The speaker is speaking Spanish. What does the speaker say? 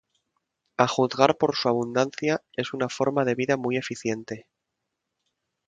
A juzgar por su abundancia, es una forma de vida muy eficiente.